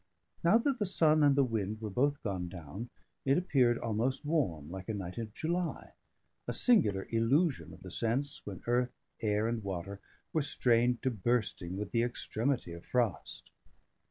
Now that the sun and the wind were both gone down, it appeared almost warm, like a night of July: a singular illusion of the sense, when earth, air, and water were strained to bursting with the extremity of frost.